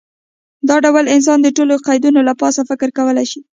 دا ډول انسان د ټولو قیدونو له پاسه فکر کولی شي.